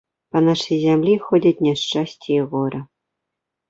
Па нашай зямлі ходзіць няшчасце і гора.